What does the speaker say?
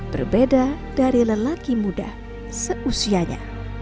berbeda dari lelaki muda seusianya